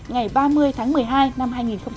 ngày ba mươi tháng một mươi hai năm hai nghìn một mươi tám